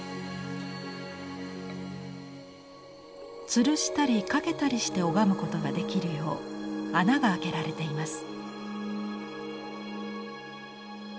つるしたり掛けたりして拝むことができるよう穴が開けられています。